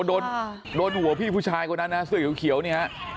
โดนโดนหัวพี่ผู้ชายคนนั้นนะเสื้อเขียวเนี่ยฮะ